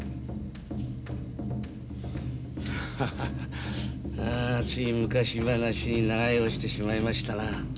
ハッハッハつい昔話に長居をしてしまいましたな。